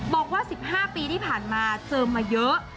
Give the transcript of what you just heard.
บอกว่า๑๕ปีที่ผ่านมาเจอมาเยอะ